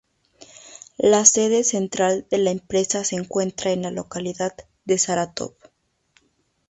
La sede central de la empresa se encuentra en la localidad de Saratov.